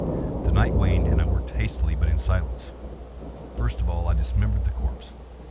The night waned, and I worked hastily, but in silence. First of all I dismembered the corpse.